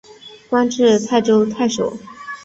官至泰州太守。